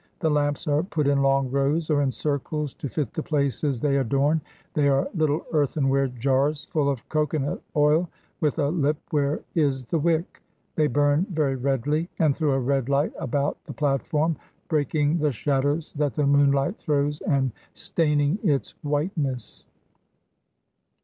The lamps are put in long rows or in circles, to fit the places they adorn. They are little earthenware jars full of cocoanut oil, with a lip where is the wick. They burn very redly, and throw a red light about the platform, breaking the shadows that the moonlight throws and staining its whiteness.